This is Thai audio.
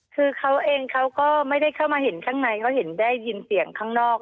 คือเขาเองเขาก็ไม่ได้เข้ามาเห็นข้างในเขาเห็นได้ยินเสียงข้างนอก